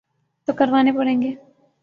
تو کروانے پڑیں گے۔